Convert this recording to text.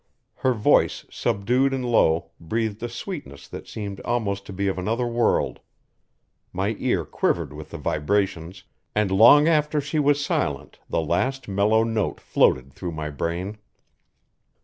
Her voice, subdued and low, breathed a sweetness that seemed almost to be of another world. My ear quivered with the vibrations, and long after she was silent the last mellow note floated through my brain.